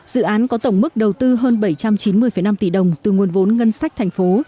dự án có tổng mức đầu tư hơn bảy trăm chín mươi năm tỷ đồng từ nguồn vốn ngân sách thành phố